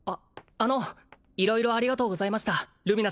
あの色々ありがとうございましたルミナ